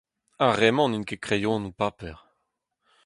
Ar re-mañ n'int ket kreionoù paper.